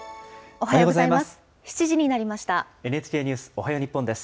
おはようございます。